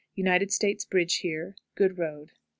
United States bridge here; good road.